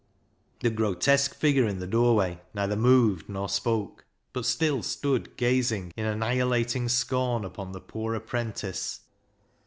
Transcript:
The grotesque figure in the doorway neither ISAAC'S FIDDLE 289 moved nor spoke, but still stood gazing in annihilating scorn on the poor apprentice.